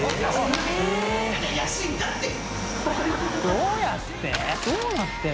どうやって？